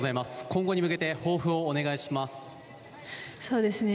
今後に向けて抱負をお願いしますそうですね